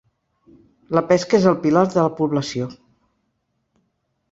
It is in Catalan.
La pesca és el pilar de la població.